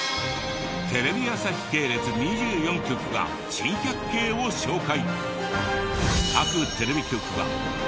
テレビ朝日系列２４局が珍百景を紹介。